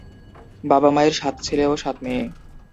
বাবা মায়ের সাত ছেলে ও সাত মেয়ে।